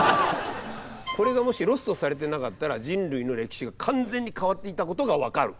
これがもしロストされてなかったら人類の歴史が完全に変わっていたことが分かる。